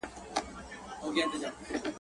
له کهاله مي دي راوړي سلامونه.